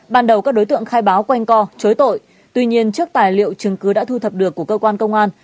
ban đầu các đối tượng khai báo quanh co chối tội tuy nhiên trước tài liệu chứng cứ đã thu thập được của cơ quan công an